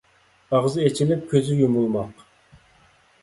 ئاغزى ئېچىلىپ كۆزى يۇمۇلماق.